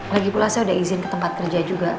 lagipula saya udah izin ke tempat kerja juga